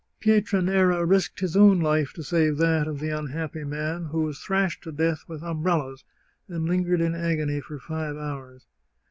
Pietranera risked his own life to save that of the un happy man, who was thrashed to death with umbrellas, and lingered in agony for five hours.